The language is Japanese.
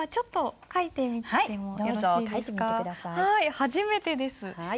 初めてです。